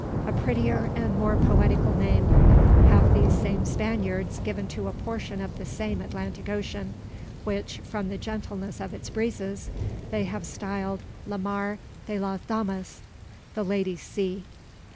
A prettier and more poetical name have these same Spaniards given to a portion of the same Atlantic Ocean, which, from the gentleness of its breezes, they have styled "La Mar de las Damas" (the Ladies' Sea).